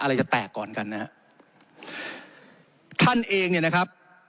อะไรจะแตกก่อนกันนะฮะท่านเองเนี่ยนะครับ